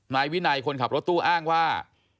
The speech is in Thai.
นายวินัยคนขับรถตู้อ้างว่า